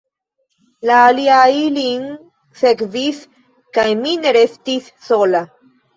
La aliaj lin sekvis, kaj mi restis sola.